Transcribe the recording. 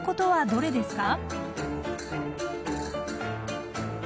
どうですか？